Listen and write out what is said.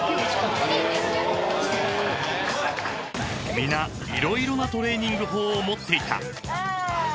［皆色々なトレーニング法を持っていた］